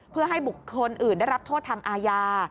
เพื่อให้บุคคลอื่นได้รับโทษทางอาญา